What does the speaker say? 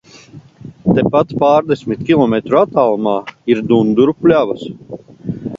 Tepat pārdesmit kilometru attālumā ir Dunduru pļavas.